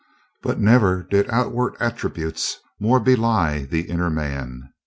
But never did outward attributes more belie the inner man!